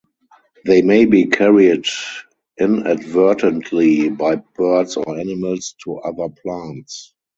They may be carried inadvertently by birds or animals to other plants.